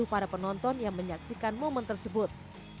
para penonton yang menyaksikan momen tersebut